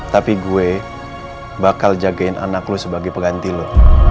tapi gue bakal jagain anak lo sebagai pengganti lo